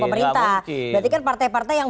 pemerintah berarti kan partai partai yang